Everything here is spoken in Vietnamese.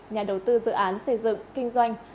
nhà đầu tư dự án xây dựng kinh doanh